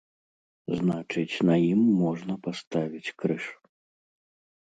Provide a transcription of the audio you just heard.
Значыць, на ім можна паставіць крыж.